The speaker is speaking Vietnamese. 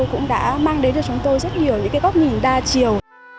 cũng đã mang đến cho chúng tôi rất nhiều những cái góc nhìn đa chiều